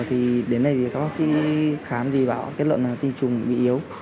thì đến đây thì các bác sĩ khám thì bảo kết luận là tinh trùng bị yếu